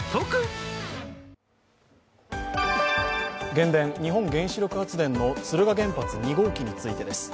原電＝日本原子力発電の敦賀原発２号機についてです。